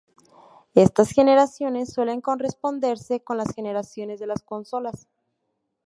Estas generaciones suelen corresponderse con las generaciones de las consolas.